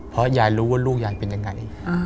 เพราะยายรู้ว่าลูกยายเป็นยังไง